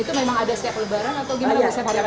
itu memang ada setiap lebaran atau gimana setiap hari raya